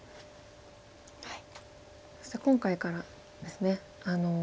そして今回からですね